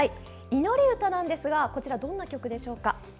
「祈り唄」なんですがこちら、どんな曲でしょうか？